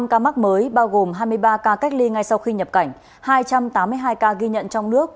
năm ca mắc mới bao gồm hai mươi ba ca cách ly ngay sau khi nhập cảnh hai trăm tám mươi hai ca ghi nhận trong nước